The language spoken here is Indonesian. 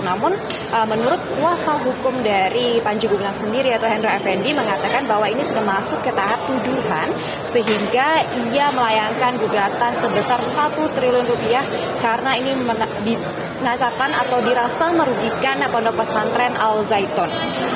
namun menurut kuasa hukum dari panji gumilang sendiri yaitu hendra effendi mengatakan bahwa ini sudah masuk ke tahap tuduhan sehingga ia melayangkan gugatan sebesar satu triliun rupiah karena ini dinyatakan atau dirasa merugikan pondok pesantren al zaitun